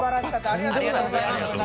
ありがとうございます。